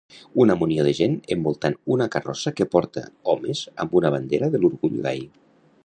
Una munió de gent envoltant una carrossa que porta homes amb una bandera de l'orgull gai.